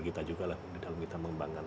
kita juga lah di dalam kita mengembangkan